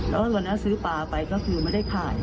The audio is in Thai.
แล้ววันนั้นซื้อปลาไปก็คือไม่ได้ขาย